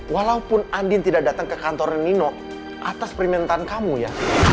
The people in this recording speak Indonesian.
walaupun andin tidak datang ke kantor nino atas permintaan kamu ya